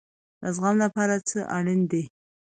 د زغم لپاره څه شی اړین دی؟